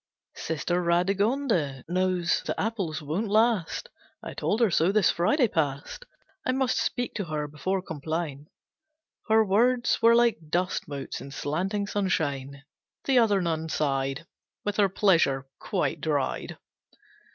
"Sister Radegonde knows the apples won't last, I told her so this Friday past. I must speak to her before Compline." Her words were like dust motes in slanting sunshine. The other nun sighed, With her pleasure quite dried.